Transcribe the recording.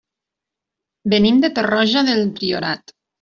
Venim de Torroja del Priorat.